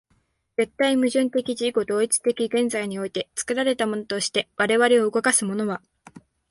絶対矛盾的自己同一的現在において、作られたものとして我々を動かすものは、